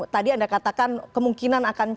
tadi anda katakan kemungkinan akan